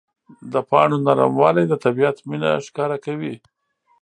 د پاڼو نرموالی د طبیعت مینه ښکاره کوي.